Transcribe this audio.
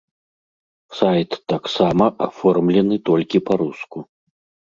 Сайт таксама аформлены толькі па-руску.